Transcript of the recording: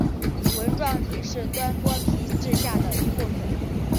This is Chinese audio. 纹状体是端脑皮质下的一部份。